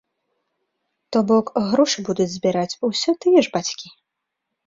То бок грошы будуць збіраць усё тыя ж бацькі.